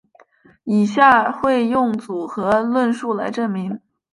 以下会用组合论述来证明。